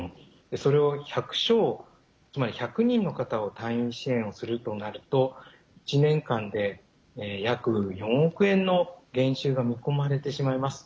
それを１００床つまり１００人の方を退院支援をするとなると１年間で約４億円の減収が見込まれてしまいます。